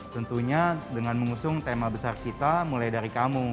tentunya dengan mengusung tema besar kita mulai dari kamu